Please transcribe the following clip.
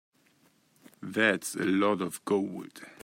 That's a lot of gold.